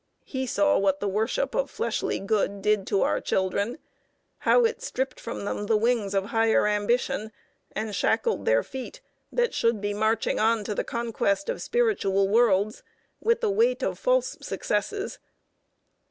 He saw what the worship of fleshly good did to our children: how it stripped from them the wings of higher ambition, and shackled their feet, that should be marching on to the conquest of spiritual worlds, with the weight of false successes.